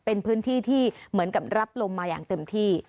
เป็นพื้นที่ที่เหมือนกับรับลมมาอย่างเต็มที่